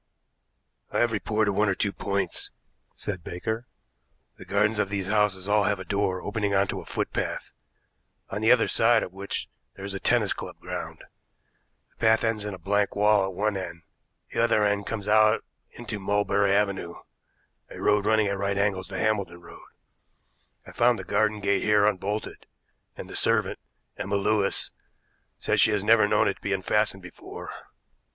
"I have reported one or two points," said Baker. "The gardens of these houses all have a door opening onto a footpath, on the other side of which there is a tennis club ground. "The path ends in a blank wall at one end; the other end comes out into Melbury Avenue, a road running at right angles to Hambledon Road. I found the garden gate here unbolted, and the servant, Emma Lewis, says she has never known it to be unfastened before.